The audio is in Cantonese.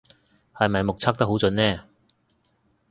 係咪目測得好準呢